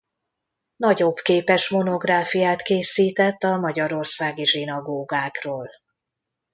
Nagyobb képes monográfiát készített a magyarországi zsinagógákról.